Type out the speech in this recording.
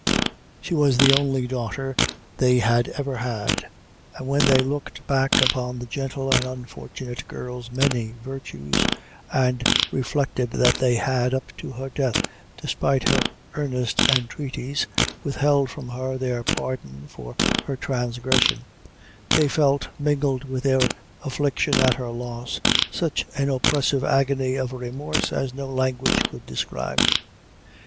She was the only daughter they had ever had: and when they looked back upon the gentle and unfortunate girl's many virtues, and reflected that they had, up to her death, despite her earnest entreaties, withheld from her their pardon for her transgression, they felt, mingled with their affliction at her loss, such an oppressive agony of remorse as no language could describe.